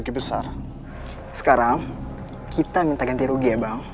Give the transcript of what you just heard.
sekarang kita minta ganti rugi ya bang